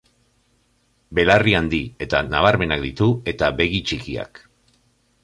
Belarri handi eta nabarmenak ditu, eta begi txikiak.